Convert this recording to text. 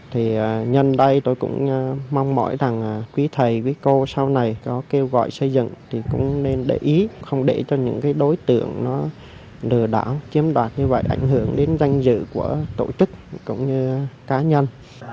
thì nhân đây tôi cũng mong mỏi rằng quý thầy quý cô sau này có kêu gọi xây dựng thì cũng nên để ý không để cho những cái đối tượng nó lừa đảo chiếm đoạt như vậy ảnh hưởng đến danh dự của tổ chức cũng như cá nhân